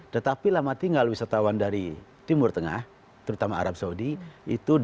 tetapi lama tinggal wisatawan dari timur tengah terutama arab saudi itu dua belas lima hari